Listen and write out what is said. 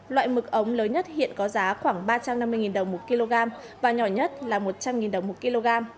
loại mực ống lớn nhất hiện có giá khoảng ba trăm năm mươi đồng một kg và nhỏ nhất là một trăm linh đồng một kg